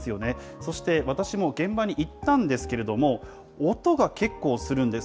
そして私も現場に行ったんですけれども、音が結構するんです。